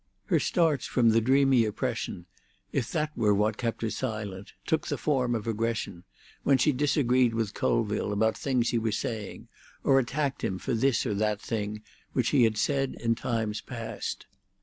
Her starts from the dreamy oppression, if that were what kept her silent, took the form of aggression, when she disagreed with Colville about things he was saying, or attacked him for this or that thing which he had said in times past.